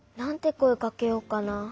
こえかけようかな。